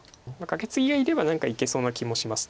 カケツギがいれば何かいけそうな気もします。